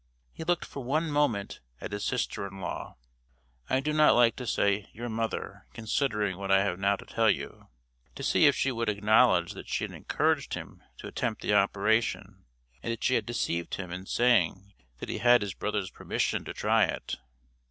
He looked for one moment at his sister in law (I do not like to say your mother, considering what I have now to tell you), to see if she would acknowledge that she had encouraged him to attempt the operation, and that she had deceived him in saying that he had his brother's permission to try it.